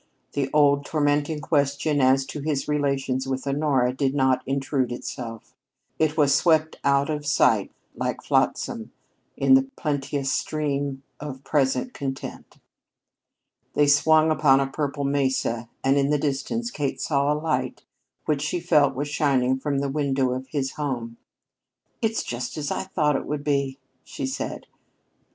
The old, tormenting question as to his relations with Honora did not intrude itself. It was swept out of sight like flotsam in the plenteous stream of present content. They swung upon a purple mesa, and in the distance Kate saw a light which she felt was shining from the window of his home. "It's just as I thought it would be," she said.